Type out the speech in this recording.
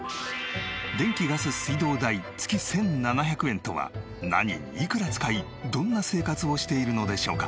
電気ガス水道代月１７００円とは何にいくら使いどんな生活をしているのでしょうか？